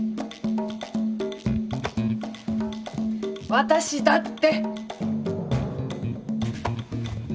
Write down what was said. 私だって！